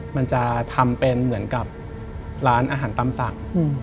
มันจะทำเป็นเหมือนกับร้านอาหารตำสั่ง